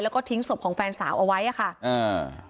แล้วก็ทิ้งศพของแฟนสาวเอาไว้อ่ะค่ะอ่า